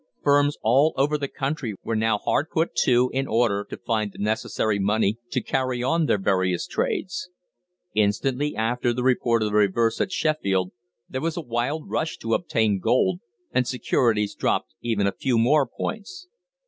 Firms all over the country were now hard put to in order to find the necessary money to carry on their various trades. Instantly after the report of the reverse at Sheffield, there was a wild rush to obtain gold, and securities dropped even a few more points.